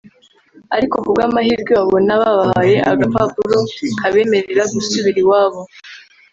ariko ku bw’amahirwe babona babahaye agapapuro kabemerera gusubira iwabo